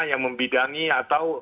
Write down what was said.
yang membidangi atau